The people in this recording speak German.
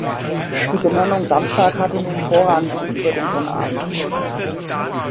Die Benennung Samstag hatte nun Vorrang gegenüber dem Sonnabend.